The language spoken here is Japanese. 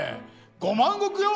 ５万石よ？